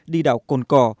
đi đảo cồn cỏ